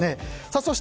そして